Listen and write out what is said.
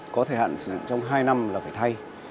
có thời hạn sử trong hai năm là phải thay